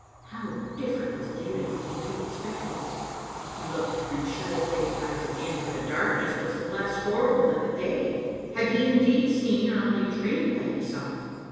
How diflEerent was daylight from what he had expected! He looked, and then shut his dazed eyes again, for the darkness was less horrible than the day. Had he indeed seen, or only dreamed that he saw?